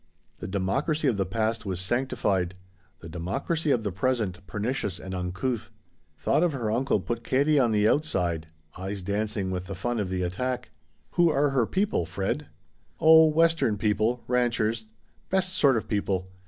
The democracy of the past was sanctified; the democracy of the present, pernicious and uncouth. Thought of her uncle put Katie on the outside, eyes dancing with the fun of the attack. "Who are her people, Fred?" "Oh, Western people ranchers; best sort of people.